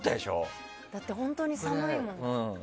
だって本当に寒いもん。